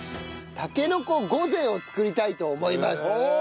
たけのこ御膳を作りたいと思います。